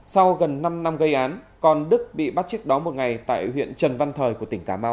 sau gần năm năm gây án còn đức bị bắt trước đó một ngày tại huyện trần văn thời của tỉnh cà mau